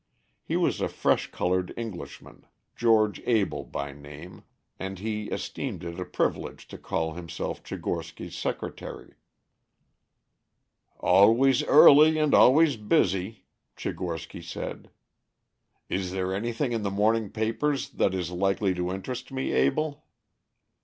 He was a fresh colored Englishman, George Abell by name, and he esteemed it a privilege to call himself Tchigorsky's secretary. "Always early and always busy," Tchigorsky said. "Is there anything in the morning papers that is likely to interest me, Abell?"